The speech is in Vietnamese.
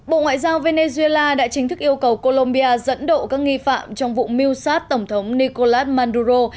bộ ngoại giao venezuela đã chính thức yêu cầu colombia dẫn độ các nghi phạm trong vụ mưu sát tổng thống nicolás manduró